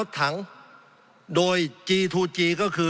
สงบจนจะตายหมดแล้วครับ